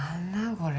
これ。